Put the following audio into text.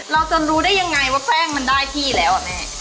เราจะรู้ได้ยังไงว่าแป้งมันได้ที่แล้วอ่ะแม่